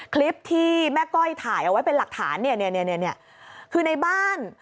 คลิปที่แม่ก้อยถ่ายเอาไว้เป็นหลักฐานเนี่ยคือในบ้าน